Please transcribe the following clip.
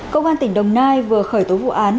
công an tỉnh đồng nai vừa khởi tố vụ án